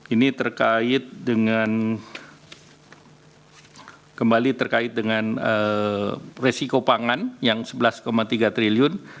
ini terkait dengan kembali terkait dengan resiko pangan yang sebelas tiga triliun